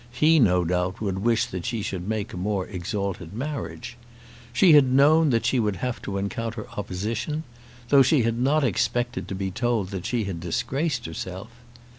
He, no doubt, would wish that she should make a more exalted marriage. She had known that she would have to encounter opposition, though she had not expected to be told that she had disgraced herself.